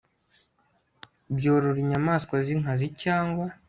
byorora inyamaswa z inkazi cyangwa